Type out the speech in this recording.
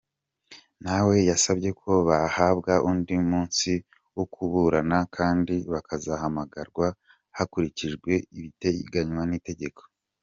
Nawe yasabye ko bahabwa undi munsi wo kuburana kandi bakazahamagarwa hakurikijwe ibiteganywa n’itegeko.